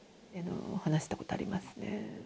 話した事ありますね。